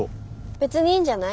別にいいんじゃない。